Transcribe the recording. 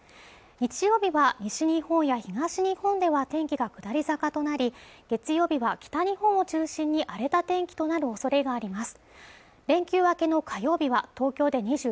日曜日は西日本や東日本では天気が下り坂となり月曜日は北日本を中心に荒れた天気となるおそれがあります